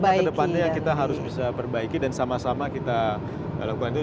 nah kedepannya yang kita harus bisa perbaiki dan sama sama kita lakukan itu